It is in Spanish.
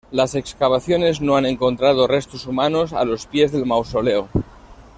Las excavaciones no han encontrado restos humanos a los pies del mausoleo.